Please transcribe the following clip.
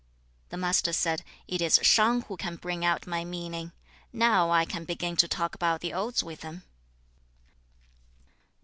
The Master said, 'It is Shang who can bring out my meaning. Now I can begin to talk about the odes with him.'